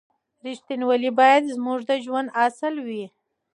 رښتینولي باید زموږ د ژوند اصل وي.